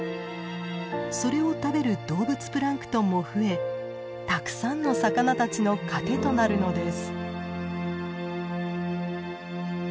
それを食べる動物プランクトンも増えたくさんの魚たちの糧となるのです。